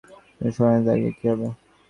আমার শুনানির তারিখের কী হবে?